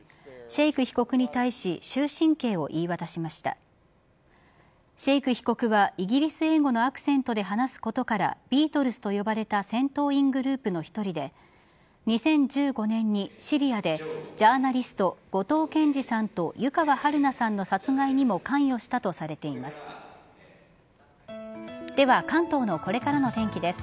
シェイク被告はイギリス英語のアクセントで話すことからビートルズと呼ばれた戦闘員グループの１人で２０１５年にシリアでジャーナリスト・後藤健二さんと湯川遥菜さんの殺害にも関与したとされています。